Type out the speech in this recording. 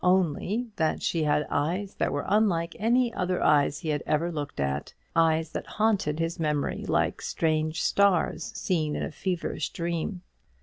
Only that she had eyes that were unlike any other eyes he had ever looked at; eyes that haunted his memory like strange stars seen in a feverish dream.